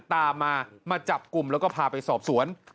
ตามมามาจับกลุ่มแล้วก็พาไปสอบสวน